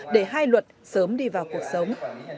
để hai luật sớm đi vào cuộc sống